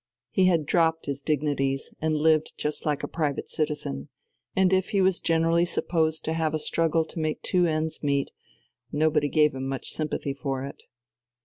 He had dropped his dignities and lived just like a private citizen; and if he was generally supposed to have a struggle to make two ends meet, nobody gave him much sympathy for it.